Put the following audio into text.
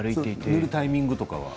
塗るタイミングとかは？